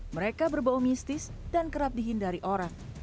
mereka berbau mistis dan kerap dihindari orang